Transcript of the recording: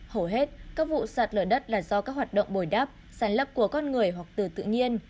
hầu hết các vụ sạt lở đất là do các hoạt động bồi đắp sản lấp của con người hoặc từ tự nhiên